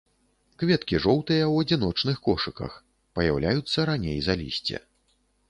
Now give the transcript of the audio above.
Кветкі жоўтыя ў адзіночных кошыках, паяўляюцца раней за лісце.